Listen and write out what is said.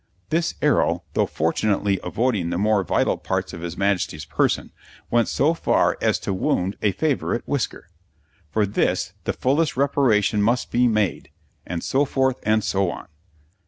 This arrow, though fortunately avoiding the more vital parts of his Majesty's person, went so far as to wound a favourite whisker. For this the fullest reparation must be made ... and so forth and so on.